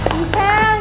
miesel nyanyi lagi dong